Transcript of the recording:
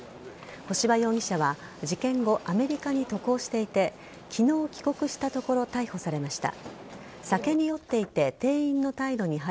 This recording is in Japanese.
干場容疑者は事件後アメリカに渡航していて昨日、帰国したところを逮捕されました。